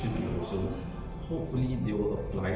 yang memberi mereka tanggapan kegiatan lebih terbaik